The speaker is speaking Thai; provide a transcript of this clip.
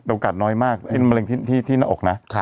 โอกาสน้อยมากเป็นมะเร็งที่หน้าอกนะ